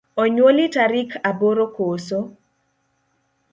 Onyuoli Tarik aboro koso?